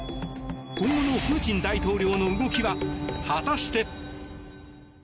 今後のプーチン大統領の動きは果たして。